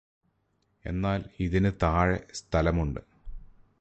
എന്നാല് ഇതിന് താഴെ സ്ഥലമുണ്ട്